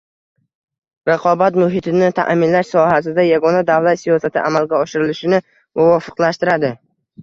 raqobat muhitini ta’minlash sohasida yagona davlat siyosati amalga oshirilishini muvofiqlashtiradi